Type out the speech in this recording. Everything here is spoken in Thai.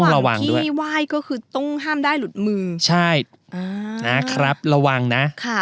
ระวังที่ไหว้ก็คือต้องห้ามได้หลุดมือใช่นะครับระวังนะ